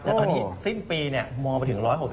แล้วตอนนี้สิ้นปีมองไปถึง๑๖๐